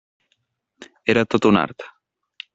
Era tot un art.